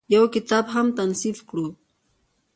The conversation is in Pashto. يو کتاب هم تصنيف کړو